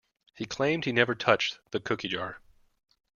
He claimed he never touched the cookie jar.